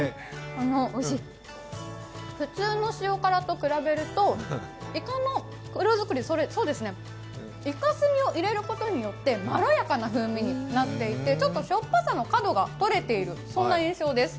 普通の塩辛と比べると、いかの黒作り、いか墨を入れることによってまろやかな風味になっていてちょっとしょっぱさの角がとれているそんな感じです。